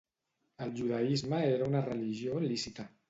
El judaisme era una religió lícita.